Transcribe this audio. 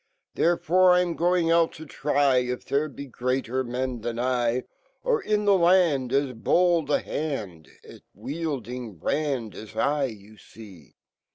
Therefore , I 'm ging ut to try If fhere Lc gre/ater men fhan I ; Orinfhe land As bold a hand At wielding brand a* I ,yu (ec